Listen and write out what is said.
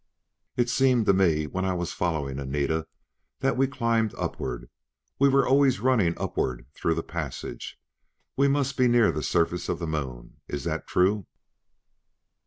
"It seemed to me when I was following Anita that we climbed upward; we were always running upward through the passages. We must be near the surface of the Moon; is that true?"